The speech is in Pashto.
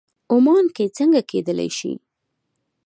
عمان کې څنګه کېدلی شي.